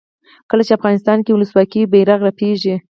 کله چې افغانستان کې ولسواکي وي بیرغ رپیږي.